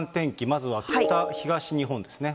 まずは北、東日本ですね。